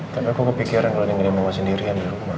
terusapa kepikiran kalo ingin mau sendiri dalam rumah